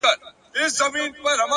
نظم د بریالۍ هڅې ساتونکی دی!